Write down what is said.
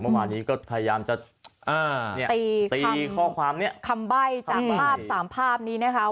เมื่อวานนี้ก็พยายามจะตีข้อความคำใบ้จากภาพ๓ภาพนี้นะครับ